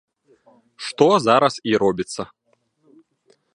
Што зараз і робіцца.